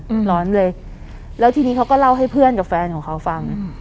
ร้อนเลยแล้วทีนี้เขาก็เล่าให้เพื่อนกับแฟนของเขาฟังอืม